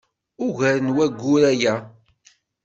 Ugar n wayyur aya.